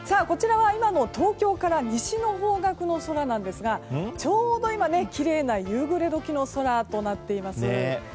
こちらは今の東京から西の方角の空なんですがちょうど今、きれいな夕暮れ時の空となっています。